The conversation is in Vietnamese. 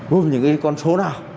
gồm những cái con số nào